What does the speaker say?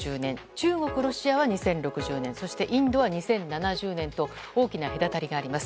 中国、ロシアは２０６０年そしてインドは２０７０年と大きな隔たりがあります。